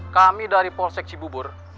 kami dari polsek cibubur